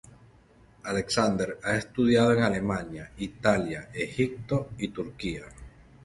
Alexander ha estudiado en Alemania, Italia, Egipto y Turquía.